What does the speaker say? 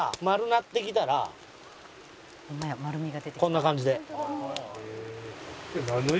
こんな感じで。